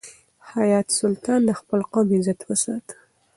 حیات سلطان د خپل قوم عزت وساتی.